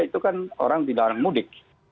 itu kan orang tidak mudik